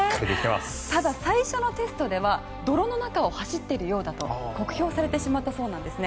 ただ、最初のテストでは泥の中を走っているようだと酷評されてしまったようなんですね。